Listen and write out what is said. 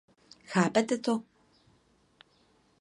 Chápete to?